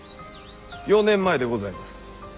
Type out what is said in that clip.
４年前でございます。